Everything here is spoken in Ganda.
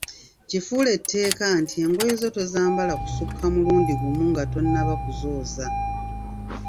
Kifuule tteeka nti engoye zo tozambala kusukka mulundi gumu nga tonnaba kuzooza.